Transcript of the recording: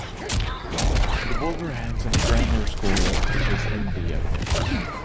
The Wolverhampton Grammar School is in the area.